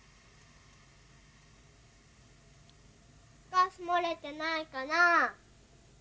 ガスもれてないかなぁ。